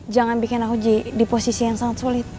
jangan bikin akuji di posisi yang sangat sulit